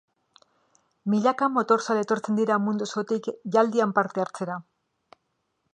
Milaka motorzale etortzen dira mundu osotik ialdian parte hartzera.